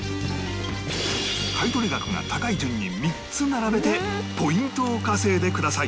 買取額が高い順に３つ並べてポイントを稼いでください